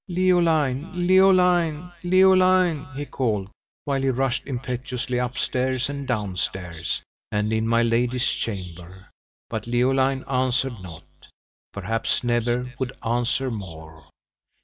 "Leoline! Leoline! Leoline!" he called, while he rushed impetuously up stairs, and down stairs, and in my lady's chamber; but Leoline answered not perhaps never would answer more!